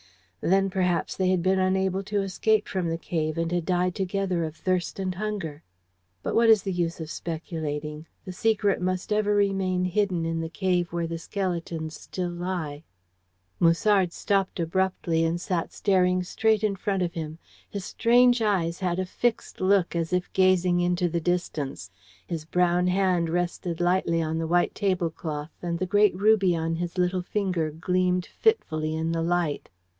Then, perhaps, they had been unable to escape from the cave, and had died together of thirst and hunger. But what is the use of speculating? The secret must ever remain hidden in the cave where the skeletons still lie." Musard stopped abruptly, and sat staring straight in front of him. His strange eyes had a fixed look, as if gazing into the distance. His brown hand rested lightly on the white tablecloth, and the great ruby on his little finger gleamed fitfully in the light.